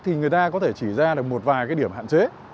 thì người ta có thể chỉ ra được một vài cái điểm hạn chế